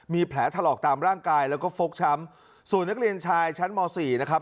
มีแผลถลอกตามร่างกายแล้วก็ฟกช้ำส่วนนักเรียนชายชั้นมสี่นะครับ